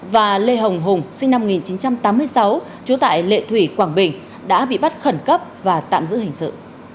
và lê hồng hùng sinh năm một nghìn chín trăm tám mươi sáu trú tại lệ thủy quảng bình đã bị bắt khẩn cấp và tạm giữ hình sự